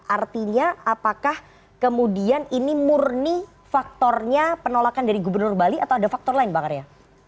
artinya apakah kemudian ini murni faktornya penolakan dari gubernur bali atau ada faktor lain bang arya